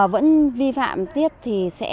vẫn vi phạm tiếp thì sẽ